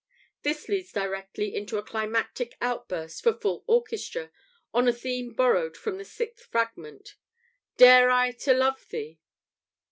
This leads directly into a climactic outburst for full orchestra, on a theme borrowed from the sixth Fragment: "Dare I to love thee?"